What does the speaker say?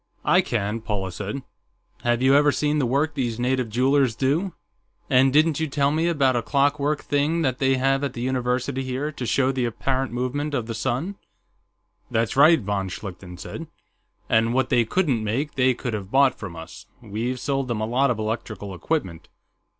"I can," Paula said. "Have you ever seen the work these native jewelers do? And didn't you tell me about a clockwork thing they have at the university here, to show the apparent movements of the sun...." "That's right," von Schlichten said. "And what they couldn't make, they could have bought from us; we've sold them a lot of electrical equipment."